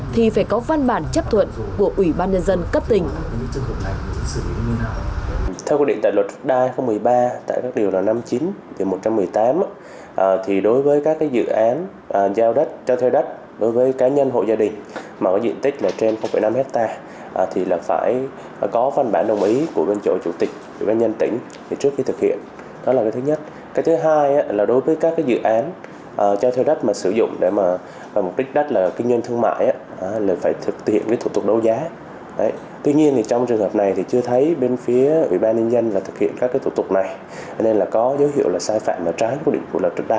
thì phải có văn bản chấp thuận của ủy ban nhân dân cấp tình